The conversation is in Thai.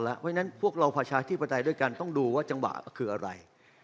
เพราะฉะนั้นพวกเราประชาธิปไตยด้วยกันต้องดูว่าจังหวะคืออะไร